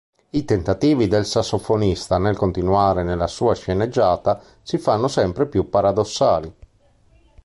I tentativi del sassofonista nel continuare nella sua sceneggiata si fanno sempre più paradossali.